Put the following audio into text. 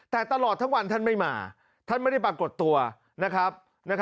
แต่ตลอดทั้งวันท่านไม่มาท่านไม่ได้ปรากฏตัวนะครับ